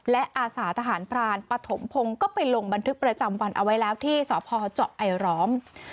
และอาสาทหารพรานปฐมพงศ์ก็ไปลงบันทึกประจำวันเอาไว้แล้วที่สพเจาะไอร้อง